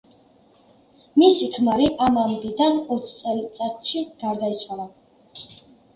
მისი ქმარი ამ ამბიდან ოც წელიწადში გარდაიცვალა.